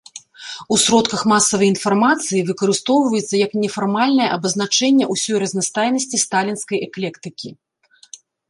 У сродках масавай інфармацыі выкарыстоўваецца як нефармальная абазначэнне усёй разнастайнасці сталінскай эклектыкі.